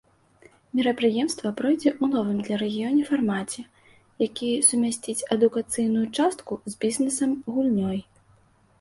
Мерапрыемства пройдзе ў новым для рэгіёна фармаце, які сумясціць адукацыйную частку з бізнесам-гульнёй.